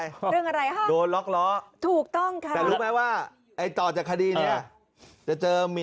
เรื่องอะไร